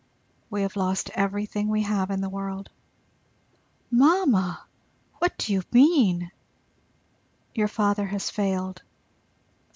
We have lost everything we have in the world." "Mamma! What do you mean?" "Your father has failed."